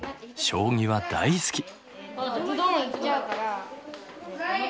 将棋は大好き。